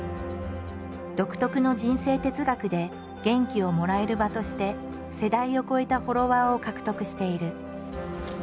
独特の人生哲学で元気をもらえる場として世代を超えたフォロワーを獲得している。